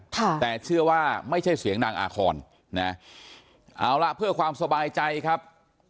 แต่เชื่อว่าไม่ใช่เสียงนางอาคอนนะเอาละเพื่อความสบายใจครับ